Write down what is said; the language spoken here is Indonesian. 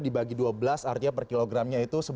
dibagi dua belas artinya per kilogramnya itu